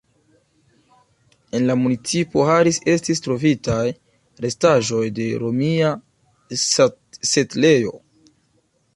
En la municipo Harris estis trovitaj restaĵoj de romia setlejo.